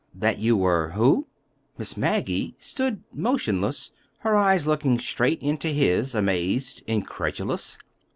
"That you were—who?" Miss Maggie stood motionless, her eyes looking straight into his, amazed incredulous.